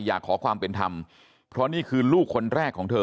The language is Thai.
อยากขอความเป็นธรรมเพราะนี่คือลูกคนแรกของเธอ